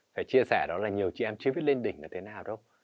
phải chia sẻ đó là nhiều chị em chưa biết lên đỉnh là thế nào đâu